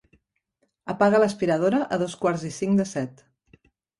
Apaga l'aspiradora a dos quarts i cinc de set.